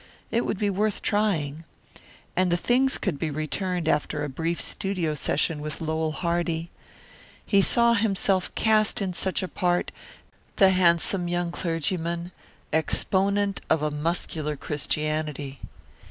It would be worth trying. And the things could be returned after a brief studio session with Lowell Hardy. He saw himself cast in such a part, the handsome young clergyman, exponent of a muscular Christianity.